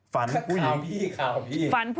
ฝันผู้หญิงขออยู่ด้วย